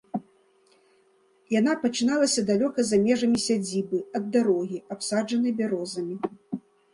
Яна пачыналася далёка за межамі сядзібы, ад дарогі, абсаджанай бярозамі.